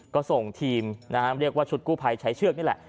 ก็ส่งทีมนะฮะเรียกว่าชุดกู้ภัยใช้เชือกนี่แหละ